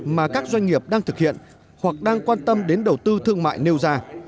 mà các doanh nghiệp đang thực hiện hoặc đang quan tâm đến đầu tư thương mại nêu ra